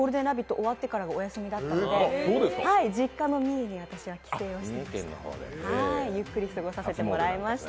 終わってから休みだったので実家の三重に帰省していました。